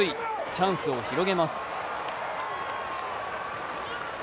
チャンスを広げます。